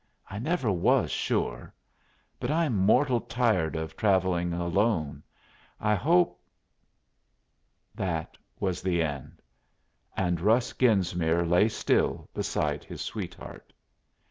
I never was sure. But I'm mortal tired of travelling alone. I hope " That was the end, and Russ Genesmere lay still beside his sweetheart.